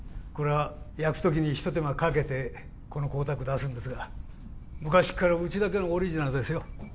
これは焼く時にひと手間かけてこの光沢出すんですが昔っからうちだけのオリジナルですよ